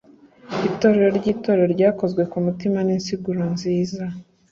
itorero ryitorero ryakozwe ku mutima n'insiguro nziza